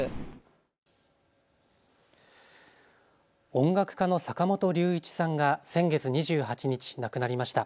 音楽家の坂本龍一さんが先月２８日、亡くなりました。